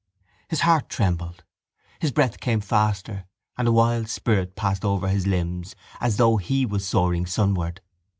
His heart trembled; his breath came faster and a wild spirit passed over his limbs as though he was soaring sunward.